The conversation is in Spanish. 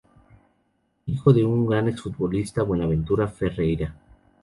Hijo de un gran ex futbolista Buenaventura Ferreira.